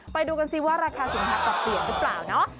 ไปดูกันสิว่าราคาสินค้าปรับเปลี่ยนหรือเปล่าเนาะ